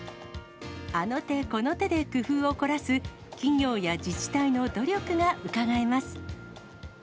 あの手この手で工夫を凝らす、企業や自治体の努力がうかがえます。